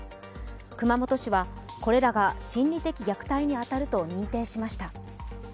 熊本市はこれらが心理的虐待に当たると認定しました。